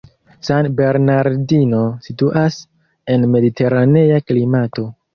San Bernardino situas en mediteranea klimato.